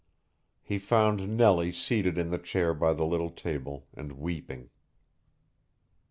He found Nellie seated in the chair by the little table, and weeping.